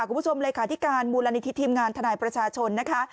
คุณผู้ชมเลขาธิการมูลนิธิทีมงานทนายประชาชนนะคะ